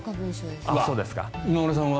今村さんは？